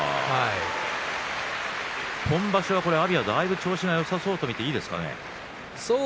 今場所は阿炎がだいぶ調子がよさそうと見ていいですかね。